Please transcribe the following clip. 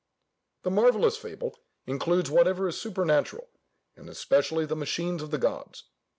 The marvellous fable includes whatever is supernatural, and especially the machines of the gods.